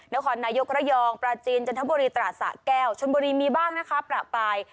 นครนายกระยองปราจีนจันทบุรีตราสะแก้วชนบุรีมีบ้างนะคะประปาย